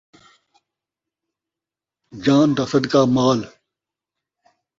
جان دا صدقہ مال